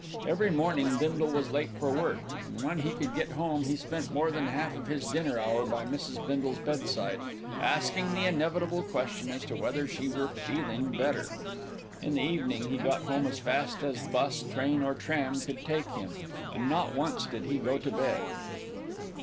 Every morning Bindle was late for work, and when he could get home he spent more than half of his dinner hour by Mrs. Bindle's bedside, asking the inevitable question as to whether she were feeling better. In the evening, he got home as fast as bus, train or tram could take him, and not once did he go to bed.